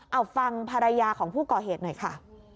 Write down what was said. เอาฟังภรรยาของผู้ก่อเหตุหน่อยค่ะ